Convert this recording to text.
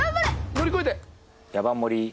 乗り越えて。